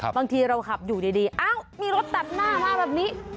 บางทีเราขับอยู่ดีอ้าวมีรถตัดหน้ามาแบบนี้